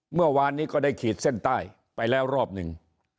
เมื่อวานนี้ก็ได้ขีดเส้นใต้ไปแล้วรอบหนึ่ง